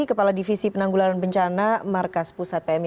kepala divisi penanggulan bencana markas pusat pmi